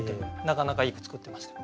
なかなかいい句作ってました。